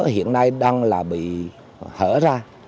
hiện nay đang là bị hở ra